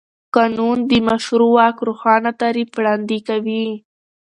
قانون د مشروع واک روښانه تعریف وړاندې کوي.